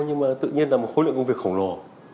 nhưng mà tự nhiên là một khối lượng công việc khổng lồ